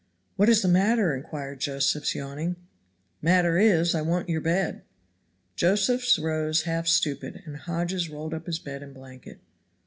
"What is the matter?" inquired Josephs yawning. "Matter is, I want your bed." Josephs rose half stupid, and Hodges rolled up his bed and blanket.